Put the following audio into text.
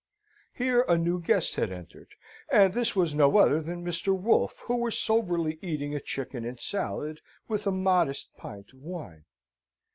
Here a new guest had entered; and this was no other than Mr. Wolfe, who was soberly eating a chicken and salad, with a modest pint of wine.